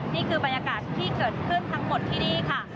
นี่คือบรรยากาศที่เกิดขึ้นทั้งหมดที่นี่ค่ะ